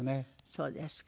そうですか。